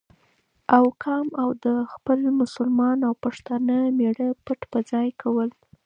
او کام او د خپل مسلمان او پښتانه مېـړه پت په ځای کول،